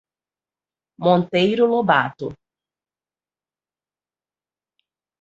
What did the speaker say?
Monteiro Lobato